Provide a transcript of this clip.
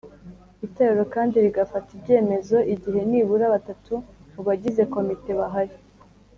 Itorero kandi rigafata ibyemezo igihe nibura batatu mu bagize komite bahari